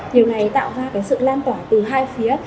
điều này tạo ra cái sự lan tỏa từ hai phía